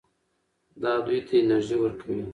دا دوی ته انرژي ورکوي.